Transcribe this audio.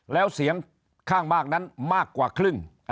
แล้วเสียงข้างมากนั้นมากกว่าครึ่ง